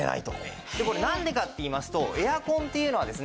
これなんでかっていいますとエアコンっていうのはですね